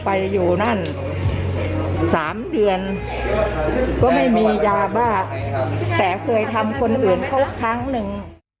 ไปอยู่นั่น๓เดือนก็ไม่มียาบ้าแต่เคยทำคนอื่นเขาครั้งหนึ่ง